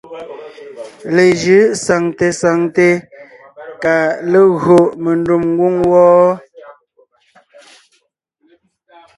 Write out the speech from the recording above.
Lejʉ̌ʼ saŋte saŋte kà légÿo mendùm ngwóŋ wɔ́ɔ.